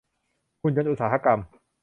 หุ่นยนต์อุตสาหกรรม